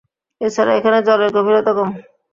এছাড়া এখানে জলের গভীরতা কম।